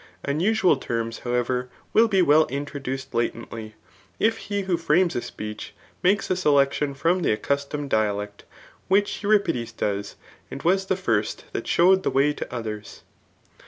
Unusual terms, how ever, wiH be well introduced latently, if he who fraaiea a speech makes a selection from the accustomed dialtef ; which Euripides does, and was the first that sfaov^ed the vi^y to others.